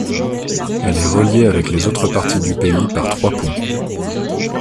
Elle est reliée avec les autres parties du pays par trois ponts.